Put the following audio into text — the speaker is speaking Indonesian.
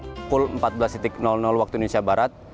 pukul empat belas waktu indonesia barat